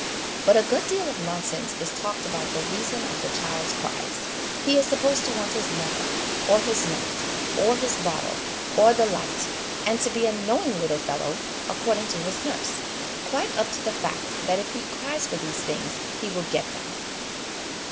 But a good deal of nonsense is talked about the reason of the child's cries : he is supposed to want his mother, or his nurse, or his bottle, or the light, and to be 'a knowing little fellow,' according to his nurse, quite up to the fact that if he cries for these \hings he will get them.